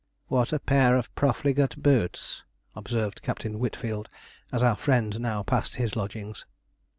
'What a pair of profligate boots,' observed Captain Whitfield, as our friend now passed his lodgings.